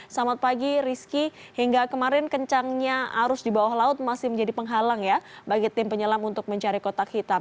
selamat pagi rizky hingga kemarin kencangnya arus di bawah laut masih menjadi penghalang ya bagi tim penyelam untuk mencari kotak hitam